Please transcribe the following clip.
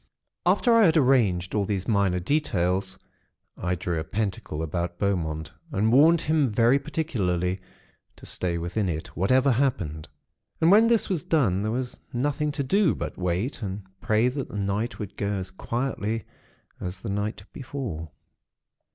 "After I had arranged all these minor details, I drew a pentacle about Beaumont, and warned him very particularly to stay within it, whatever happened. And when this was done, there was nothing to do but wait, and pray that the night would go as quietly as the night before.